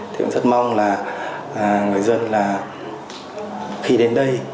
thì cũng rất mong là người dân là khi đến đây